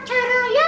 tak gitu pak